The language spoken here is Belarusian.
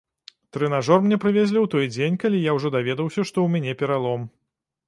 Трэнажор мне прывезлі ў той дзень, калі я ўжо даведаўся, што ў мяне пералом.